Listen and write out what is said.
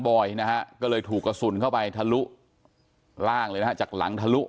อยนะฮะก็เลยถูกกระสุนเข้าไปทะลุร่างเลยนะฮะจากหลังทะลุ